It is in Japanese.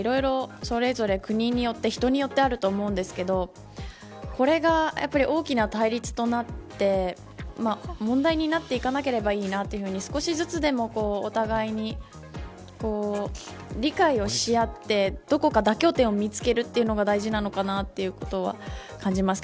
それぞれ国によって人によってあると思うんですけどこれが大きな対立となって問題になっていかなければいいなというふうに少しずつでもお互いに理解をし合ってどこか妥協点を見つけるのが大事なのかなということは感じます。